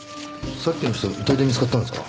さっきの人遺体で見つかったんですか？